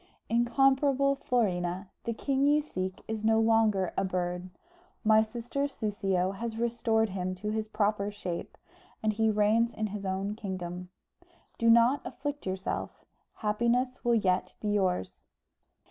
"Incomparable Florina, the king you seek is no longer a bird; my sister Soussio has restored him to his proper shape, and he reigns in his own kingdom. Do not afflict yourself; happiness will yet be yours.